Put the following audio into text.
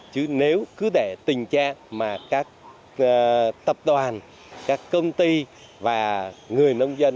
chứ nếu cứ để tình trạng mà các tập đoàn các công ty và người nông dân